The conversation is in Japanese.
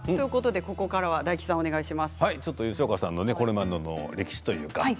ここからは大吉さん吉岡さんのこれまでの歴史というか